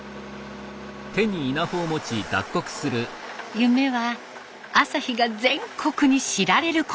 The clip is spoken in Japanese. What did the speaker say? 夢は旭が全国に知られること。